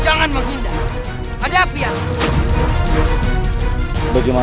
jangan maginda ada apian